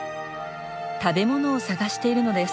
食べ物を探しているのです。